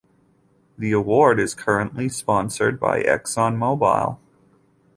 The award is currently sponsored by Exxon Mobil.